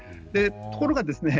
ところがですね